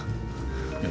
いや。